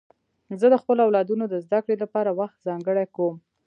زه د خپلو اولادونو د زدهکړې لپاره وخت ځانګړی کوم.